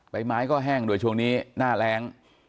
ไม้ก็แห้งด้วยช่วงนี้หน้าแรง